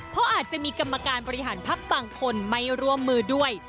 เพราะอาจจะมีกรรมการบริหารพักบางคนไม่ร่วมมือด้วย